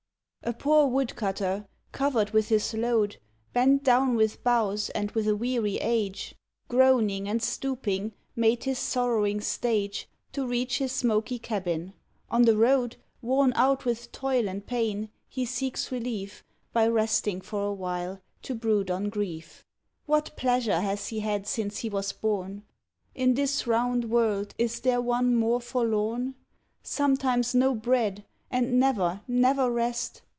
A poor Woodcutter, covered with his load, Bent down with boughs and with a weary age, Groaning and stooping, made his sorrowing stage To reach his smoky cabin; on the road, Worn out with toil and pain, he seeks relief By resting for a while, to brood on grief. What pleasure has he had since he was born? In this round world is there one more forlorn? Sometimes no bread, and never, never rest.